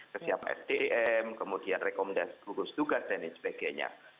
kesiap sdm kemudian rekomendasi tugas dan sebagainya